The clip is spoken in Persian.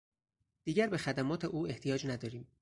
دیگر به خدمات او احتیاج نداریم.